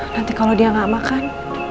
nanti kalau dia nggak makan